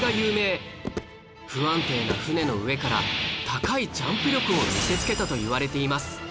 不安定な船の上から高いジャンプ力を見せつけたといわれています